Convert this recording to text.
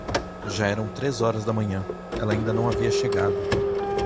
Já eram três horas da manhã, ela ainda não havia chegado.